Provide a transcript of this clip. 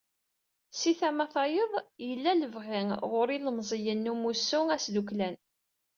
Si tama tayeḍ, yella lebɣi ɣur yilemẓiyen n umussu asdukklan.